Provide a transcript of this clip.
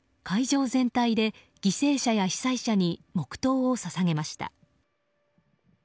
会場全体で犠牲者や被災者に黙祷を捧げました。